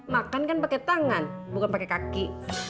makan kan pakai tangan bukan pakai kaki